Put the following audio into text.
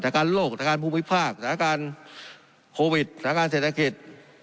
การโลกสถานการณ์ภูมิภาคสถานการณ์โควิดสถานการณ์เศรษฐกิจ